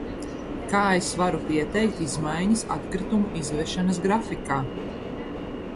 Kā es varu pieteikt izmaiņas atkritumu izvešanas grafikā?